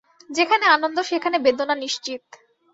যেখানে আনন্দ, সেখানে বেদনা নিশ্চিত।